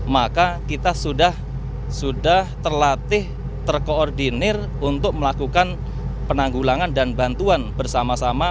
maka kita sudah terlatih terkoordinir untuk melakukan penanggulangan dan bantuan bersama sama